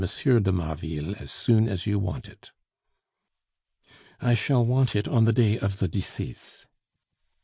de Marville as soon as you want it." "I shall want it on the day of the decease."